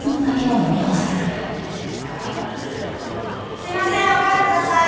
すいませんおかわりください！